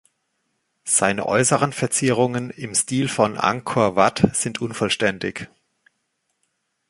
Seine äußeren Verzierungen im Stil von Angkor Wat sind unvollständig.